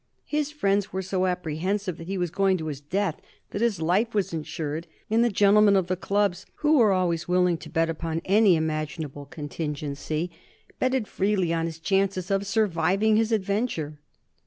His friends were so apprehensive that he was going to his death that his life was insured, and the gentlemen of the clubs, who were always willing to bet upon any imaginable contingency, betted freely on his chances of surviving his adventure.